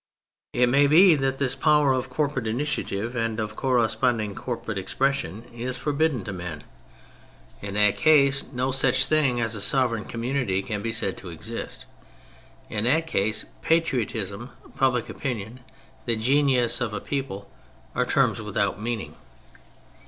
It may be that this power of corporate initiative and of corresponding corporate expression is forbidden to men. In that case 13 14 THE FRENCH REVOLUTION no such thing as a sovereign community can be said to exist. In that case " patriotism," " public opinion," " the genius of a people," are terms without meaning.